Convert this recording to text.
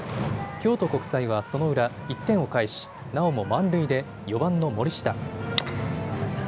京都国際はその裏、１点を返しなおも満塁で４番の森下。